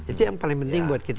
itu yang paling penting buat kita